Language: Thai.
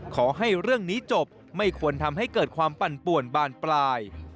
ขอให้เรื่องนี้จบไม่ควรทำให้เกิดความปั่นป่วนบานปลาย